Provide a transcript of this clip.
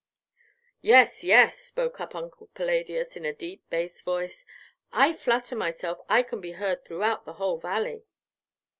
"Yes, yes!" spoke up Uncle Palladius, in a deep, bass voice; "I flatter myself I can be heard throughout the whole Valley."